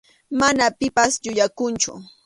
Mana pipas yuyakunchu.